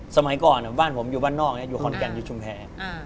สมัยก่อนบ้านผมอยู่บ้านนอกอยู่ขอนแก่นอยู่ชุมแพร